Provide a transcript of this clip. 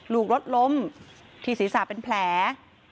ลูกรถล้มที่ศีรษะเป็นแผล